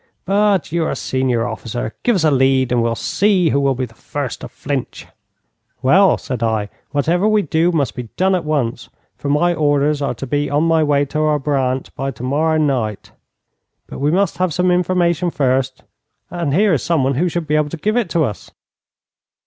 But you are senior officer; give us a lead, and we'll see who will be the first to flinch.' 'Well,' said I, 'whatever we do must be done at once, for my orders are to be on my way to Abrantes by tomorrow night. But we must have some information first, and here is someone who should be able to give it to us.'